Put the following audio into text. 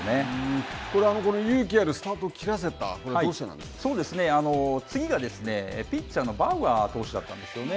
この勇気あるスタートを切らせ次がピッチャーのバウアー投手だったんですよね。